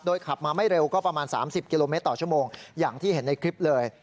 ขับมาไม่เร็วก็ประมาณ๓๐กิโลเมตรต่อชั่วโมงอย่างที่เห็นในคลิปเลย